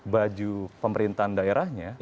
baju pemerintahan daerahnya